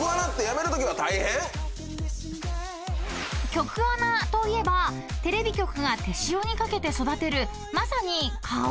［局アナといえばテレビ局が手塩にかけて育てるまさに顔］